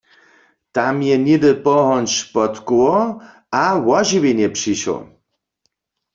Tam je něhdy pohonč pod koło a wo žiwjenje přišoł.